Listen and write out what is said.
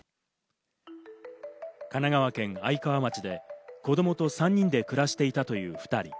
神奈川県愛川町で子供と３人で暮らしていたという２人。